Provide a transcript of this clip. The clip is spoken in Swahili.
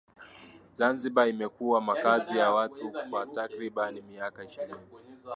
Zanzibar imekuwa makazi ya watu kwa takribani miaka ishirini